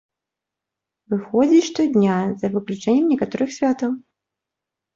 Выходзіць штодня, за выключэннем некаторых святаў.